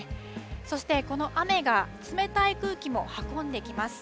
そしてこの雨が冷たい空気も運んできます。